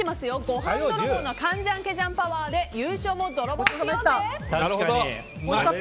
ご飯泥棒のカンジャンケジャンパワーで優勝も泥棒しようぜ！